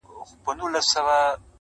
نوري یې مه پریږدی د چا لښکري!!